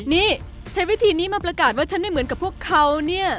นี่ใช้วิธีนี้มาประกาศว่าฉันไม่เหมือนกับพวกเขาเนี่ย